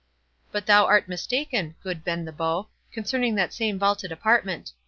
"But thou art mistaken, good Bend the Bow, concerning that same vaulted apartment.